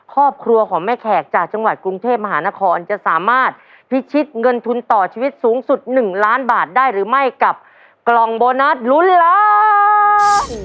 ครอบครัวของแม่แขกจากจังหวัดกรุงเทพมหานครจะสามารถพิชิตเงินทุนต่อชีวิตสูงสุด๑ล้านบาทได้หรือไม่กับกล่องโบนัสลุ้นล้าน